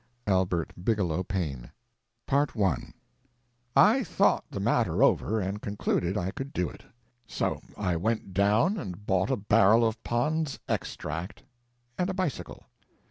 A. B. P. I I thought the matter over, and concluded I could do it. So I went down and bought a barrel of Pond's Extract and a bicycle.